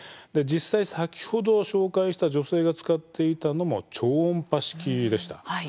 実際、先ほど紹介した女性が使っていたのも超音波式でした。